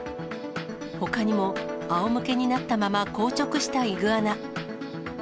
ほかにも、あおむけになったまま硬直したイグアナ。